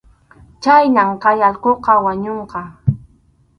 Chhaynam kay allquqa wañunqa.